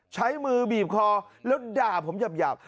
ใช้มือบีบคอแล้วด่าผมหยาบ